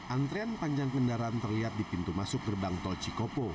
antrean panjang kendaraan terlihat di pintu masuk gerbang tol cikopo